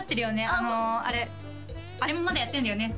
あのあれあれもまだやってんだよね